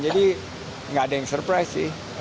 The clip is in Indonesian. jadi gak ada yang surprise sih